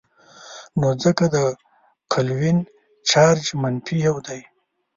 نو ځکه د کلوین چارج منفي یو دی.